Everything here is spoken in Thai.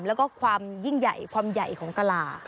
แล้วก็ความยิ่งใหญ่ความใหญ่ของกะลา